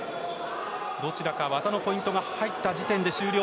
どちらか技のポイントが入った時点で終了。